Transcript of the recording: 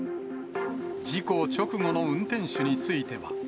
事故直後の運転手については。